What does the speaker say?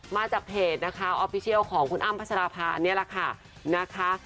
มาจากเพจออฟฟิเชียลของคุณอ้ำพัชรภาอันนี้ล่ะค่ะ